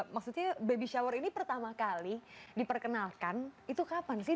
maksudnya baby shower ini pertama kali diperkenalkan itu kapan sih